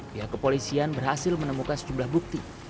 pihak kepolisian berhasil menemukan sejumlah bukti